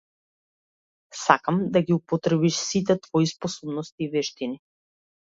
Сакам да ги употребиш сите твои способности и вештини.